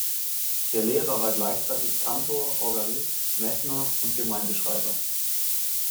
Der Lehrer war gleichzeitig Kantor, Organist, Mesner und Gemeindeschreiber.